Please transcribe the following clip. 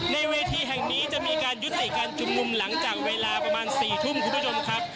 เวทีแห่งนี้จะมีการยุติการชุมนุมหลังจากเวลาประมาณ๔ทุ่มคุณผู้ชมครับ